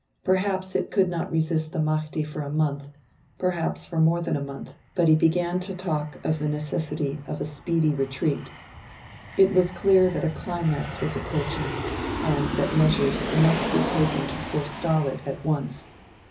Perhaps it could not resist the Mahdi for a month, perhaps for more than a month; but he began to talk of the necessity of a speedy retreat. It was clear that a climax was approaching, and that measures must be taken to forestall it at once.